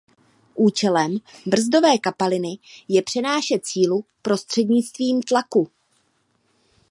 Účelem brzdové kapaliny je přenášet sílu prostřednictvím tlaku.